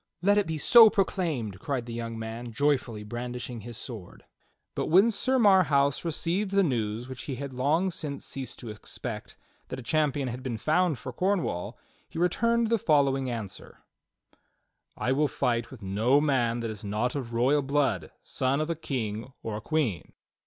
"Let it be so proclaimed !" cried the young man, joyfully brand ishing his sword. ILit when Sir Marhaus received the news which he had long since ceased to expect — that a champion had been found for Corn wall, he returned the following answer: "I will fight with no man that is not of royal blood, son of a king or a queen."